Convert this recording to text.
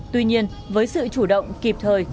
tuy nhiên với sự chủ động kịp thời